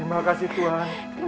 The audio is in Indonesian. terima kasih tuhan